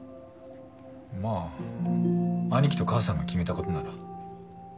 まあ兄貴と母さんが決めたことなら。